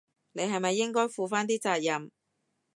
你係咪應該負返啲責任？